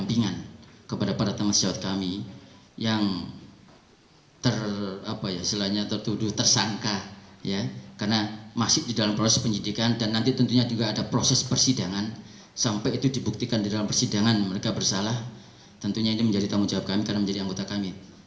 ini menjadi tanggung jawab kami karena menjadi anggota kami